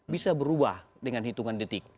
bisa berubah dengan hitungan detik